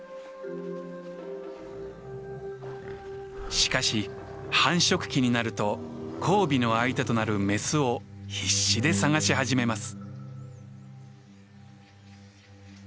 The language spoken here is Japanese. しかし繁殖期になると交尾の相手となるメスを必死で探し始めます。